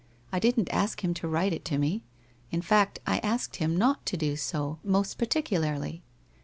I didn't ask him to write to me — in fact I asked him not to do so — most par ticularly.